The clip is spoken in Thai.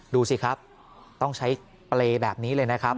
ดูสิครับต้องใช้เปรย์แบบนี้เลยนะครับ